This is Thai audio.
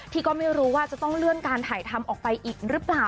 ที่ก็ไม่รู้ว่าจะต้องเลื่อนการถ่ายทำออกไปอีกหรือเปล่า